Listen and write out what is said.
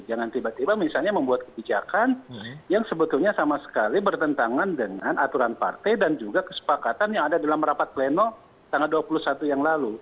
jangan tiba tiba misalnya membuat kebijakan yang sebetulnya sama sekali bertentangan dengan aturan partai dan juga kesepakatan yang ada dalam rapat pleno tanggal dua puluh satu yang lalu